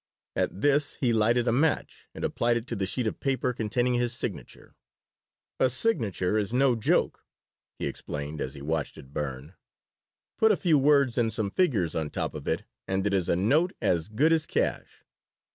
At this he lighted a match and applied it to the sheet of paper containing his signature "A signature is no joke," he explained, as he watched it burn. "Put a few words and some figures on top of it and it is a note, as good as cash.